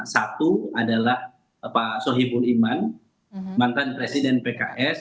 satu adalah sohubul iman mantan presiden pks